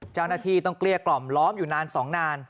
เจ้าหน้าที่ต้องเกลี้ยกล่อมล้อมอยู่นาน๒นาน